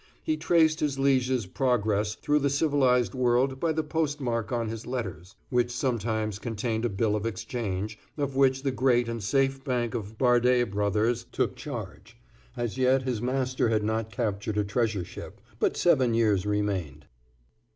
He traced his liege's progress through the civilized world by the post mark on his letters, which sometimes contained a bill of exchange, of which the great and safe bank of Bardé Brothers took charge. As yet his master had not captured a treasure ship; but seven years remained.